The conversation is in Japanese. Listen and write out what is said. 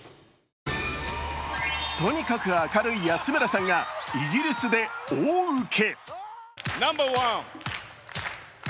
とにかく明るい安村さんがイギリスで大ウケ。